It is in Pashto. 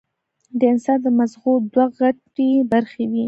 د انسان د مزغو دوه غټې برخې وي